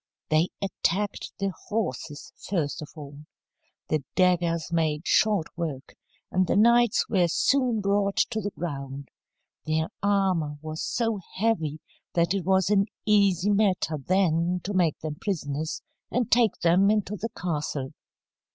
They attacked the horses first of all. The daggers made short work, and the knights were soon brought to the ground. Their armour was so heavy that it was an easy matter then to make them prisoners and take them into the castle.